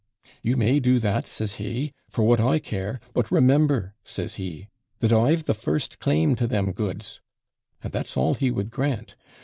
"You may do that," says he, "for what I care; but remember," says he, "that I've the first claim to them goods;" and that's all he would grant.